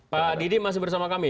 pak didik masih bersama kami ya